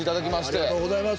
ありがとうございます。